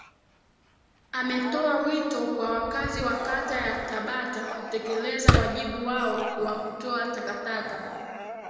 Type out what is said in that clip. ametoa wito kwa wakazi wa kata ya tabata kutekeleza wajibu wao wa kutoa takataka